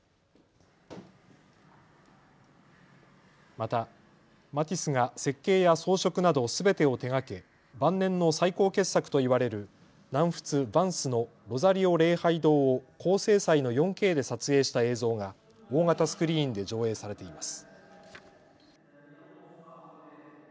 またマティスが設計や装飾などすべてを手がけ晩年の最高傑作といわれる南仏ヴァンスのロザリオ礼拝堂を高精細の４Ｋで撮影した映像が大型スクリーンで上映されています。